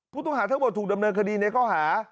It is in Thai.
ผู้ต้องหาทั้งหมดถูกดำเนินคดีในข้อหา